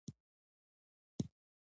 ژمی په موسم کې ماشومان باید ګرم وساتي